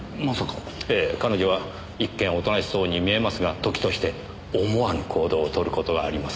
ええ彼女は一見おとなしそうに見えますが時として思わぬ行動を取る事があります。